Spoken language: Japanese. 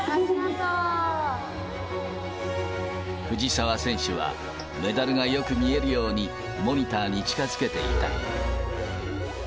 藤澤選手は、メダルがよく見えるように、モニターに近づけていた。